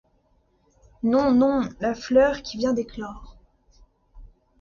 Non ! non ! la fleur. qui vient d’éclore